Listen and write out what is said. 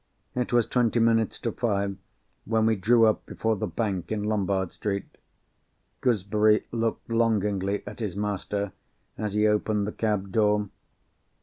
It was twenty minutes to five when we drew up before the bank in Lombard Street. Gooseberry looked longingly at his master, as he opened the cab door.